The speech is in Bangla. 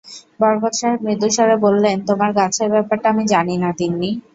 বরকত সাহেব মৃদুস্বরে বললেন, তোমার গাছের ব্যাপারটা আমি জানি না তিন্নি।